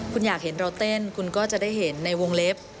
คุณอยากเห็นเราเต้นคุณก็จะได้เห็นในวงเล็บ